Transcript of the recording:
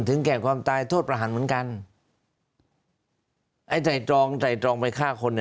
ถึงแก่ความตายโทษประหันต์เหมือนกันไอ้ไตรองไตรองไปฆ่าคนเนี่ย